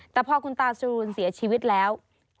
แต่พอคุณตาจรูนเสียชีวิตแล้ว